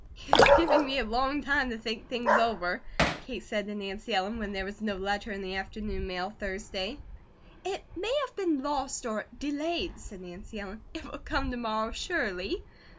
"He is giving me a long time to think things over," Kate said to Nancy Ellen when there was no letter in the afternoon mail Thursday. "It may have been lost or delayed," said Nancy Ellen. "It will come to morrow, surely."